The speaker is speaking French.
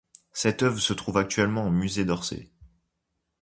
Cette œuvre se trouve actuellement au musée d'Orsay.